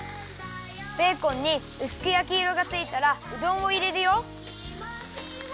ベーコンにうすくやきいろがついたらうどんをいれるよ。